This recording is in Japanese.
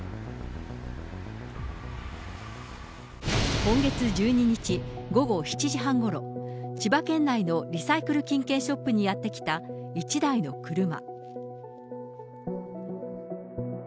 今月１２日午後７時半ごろ、千葉県内のリサイクル金券ショップにやって来た１台の車。